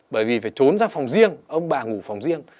bởi vì phải trốn ra phòng riêng ông bà ngủ phòng riêng